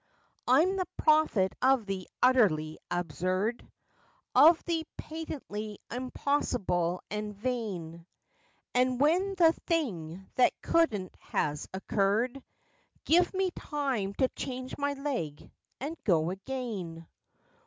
I'm the prophet of the Utterly Absurd, Of the Patently Impossible and Vain And when the Thing that Couldn't has occurred, Give me time to change my leg and go again.